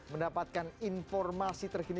mendapatkan informasi terkini